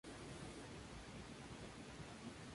La Iglesia fue reconstruida.